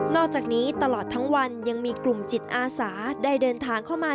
อกจากนี้ตลอดทั้งวันยังมีกลุ่มจิตอาสาได้เดินทางเข้ามา